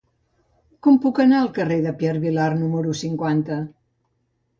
Com puc anar al carrer de Pierre Vilar número cinquanta?